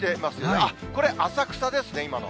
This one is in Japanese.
あっ、これ、浅草ですね、今の。